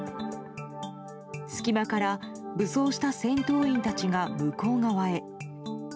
隙間から武装した戦闘員たちが向こう側へ。